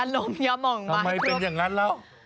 ยันลมยันลมออกมาทำไมเป็นอย่างนั้นแล้ว